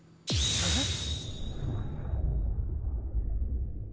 えっ！